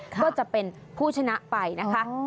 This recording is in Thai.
ก็จะเป็นผู้ชนะไปนะคะ